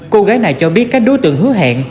cô gái này cho biết các đối tượng hứa hẹn